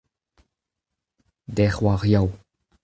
dec'h e oa ar Yaou.